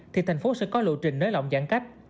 thì thành phố sẽ có lộ trình nới lỏng giãn cách